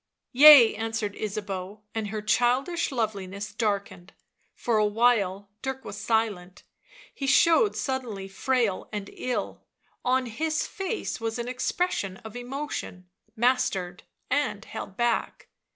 " Yea/ 7 answered Ysabeau, and her childish loveli ness darkened. For a while Dirk was silent ; he showed suddenly frail and ill; on his face was an expression of emotion, mastered and held back.